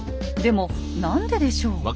でも何ででしょう？